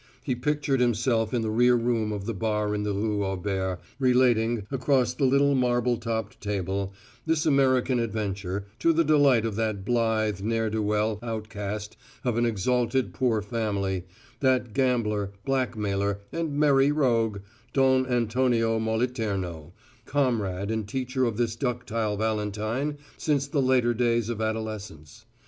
He pictured himself in the rear room of the bar in the Rue Auber, relating, across the little marble topped table, this American adventure, to the delight of that blithe, ne'er do well outcast of an exalted poor family, that gambler, blackmailer and merry rogue, Don Antonio Moliterno, comrade and teacher of this ductile Valentine since the later days of adolescence.